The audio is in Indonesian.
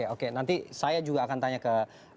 oke nanti saya juga akan tanya ke